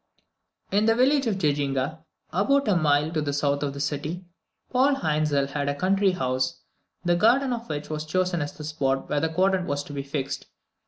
In the village of Gegginga, about half a mile to the south of the city, Paul Hainzel had a country house, the garden of which was chosen as the spot where the quadrant was to be fixed.